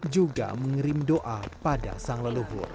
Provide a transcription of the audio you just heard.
juga mengerim doa pada sang leluhur